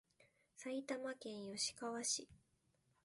埼玉県吉川市